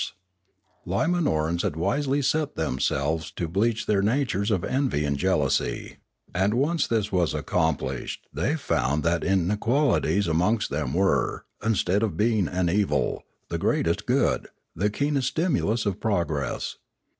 The Limanorans had wisely set themselves to bleach their natures of envy and jealousy; and once this was accomplished they found that inequalities amongst them were, instead of being an evil, the greatest good, the keenest stimulus 9f progress.